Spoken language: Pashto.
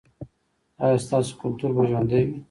ایا ستاسو کلتور به ژوندی وي؟